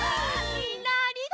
みんなありがとう！